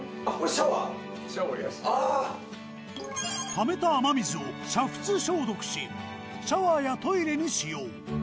ためた雨水を煮沸消毒しシャワーやトイレに使用。